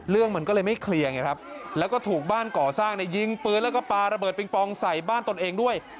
เรื่องมันก็เลยไม่เคลียร์ไงครับแล้วก็ถูกบ้านก่อสร้างในยิงปืนแล้วก็ปลาระเบิดปิงปองใส่บ้านตนเองด้วย